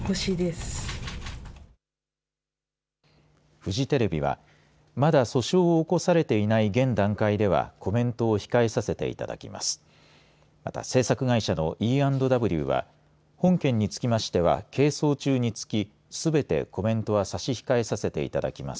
フジテレビは、まだ訴訟を起こされていない現段階ではコメントを控えさせていただきます。